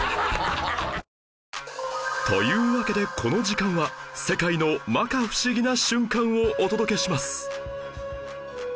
というわけでこの時間は世界の摩訶不思議な瞬間をお届けします